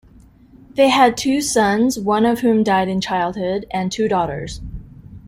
They had two sons, one of whom died in childhood, and two daughters.